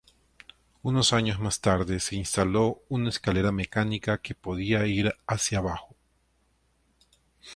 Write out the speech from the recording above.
Unos años más tarde, se instaló una escalera mecánica que podía ir hacia abajo.